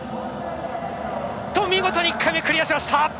見事に１回目クリアしました！